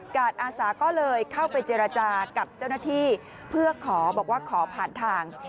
อาสาก็เลยเข้าไปเจรจากับเจ้าหน้าที่เพื่อขอบอกว่าขอผ่านทาง